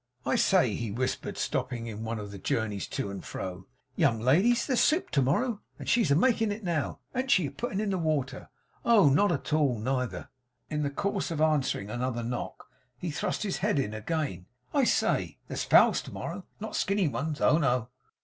'I say,' he whispered, stopping in one of his journeys to and fro, 'young ladies, there's soup to morrow. She's a making it now. An't she a putting in the water? Oh! not at all neither!' In the course of answering another knock, he thrust in his head again. 'I say! There's fowls to morrow. Not skinny ones. Oh no!